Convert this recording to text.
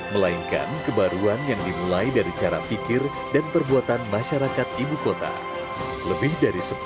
melainkan kebaruan yang dimulai dari cara pikir dan perbuatan masyarakat ibu kota lebih dari sepuluh